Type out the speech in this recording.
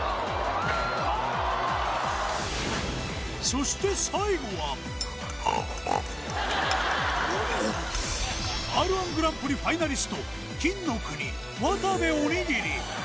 そして最後はＲ−１グランプリファイナリスト、金の国・渡部おにぎり。